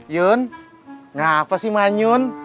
yun ngapa sih manyun